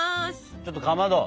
ちょっとかまど。は？